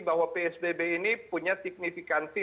bahwa psbb ini punya signifikansi